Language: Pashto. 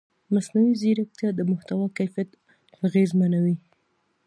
مصنوعي ځیرکتیا د محتوا کیفیت اغېزمنوي.